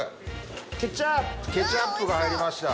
ケチャップが入りました。